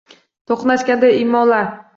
To’qnashganda imonlar.